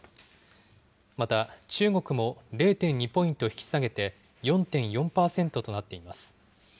また中国も０．２ポイント引き下げて、４．４％となっています。